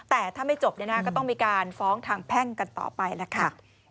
แต่ถ้าไม่จบก็ต้องมีการฟ้องทางแพ่งกันต่อไปล่ะค่ะ